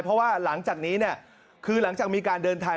เพราะว่าหลังจากนี้เนี่ยคือหลังจากมีการเดินทาง